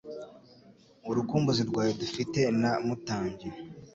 Urukumbuzi rwawe Dufite na Mutambyi,